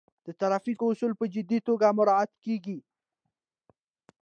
د ترافیک اصول په جدي توګه مراعات کیږي.